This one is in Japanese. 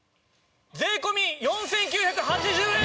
税込４９８０円です！